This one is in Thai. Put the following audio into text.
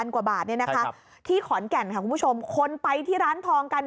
กว่าบาทเนี่ยนะคะที่ขอนแก่นค่ะคุณผู้ชมคนไปที่ร้านทองกัน